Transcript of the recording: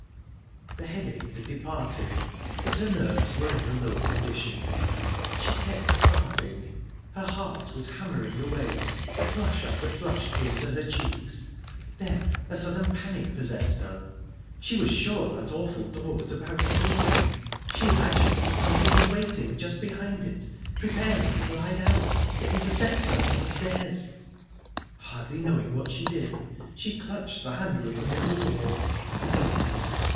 The headache had departed, but her nerves were in a low condition. She kept starting; her heart was hammering away; flush after flush came to her cheeks. Then a sudden panic possessed her. She was sure that that awful door was about to open. She imagined that something was waiting just behind it, preparing to glide out, to intercept her from the stairs. Hardly knowing what she did, she clutched the handle of the middle door...It opened.